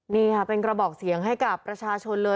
นี่ค่ะเป็นกระบอกเสียงให้กับประชาชนเลย